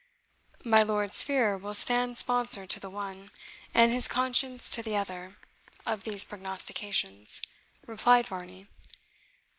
"My lord's fear will stand sponsor to the one, and his conscience to the other, of these prognostications," replied Varney.